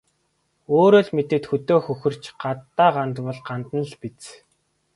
Өөрөө л мэдээд хөдөө хөхөрч, гадаа гандвал гандана л биз.